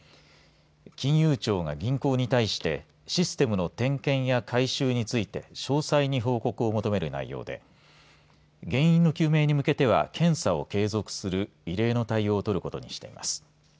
金融庁が銀行に対してシステムの点検や改修について詳細に報告を求める内容で原因の究明に向けては検査を継続する異例の対応を取ることにしています。